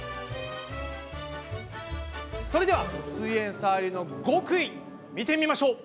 それではすイエんサー流の極意見てみましょう！